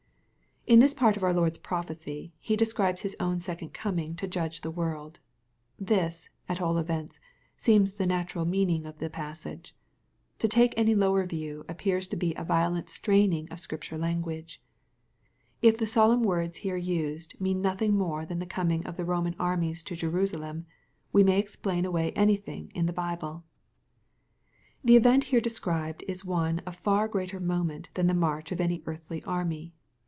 In this part of our Lord's prophecy. He describes Hia own second coming, to judge the world. This, at all events, seems the natural meaning of the passage. To take any lower view appears to be a violent straining of Scripture language. If the solemn words here used mean nothing more than the coming of the Soman ar mies to Jerusalem, we may explain away anything in the Bible. The event here described is one of far greater moment than the march of any earthly army.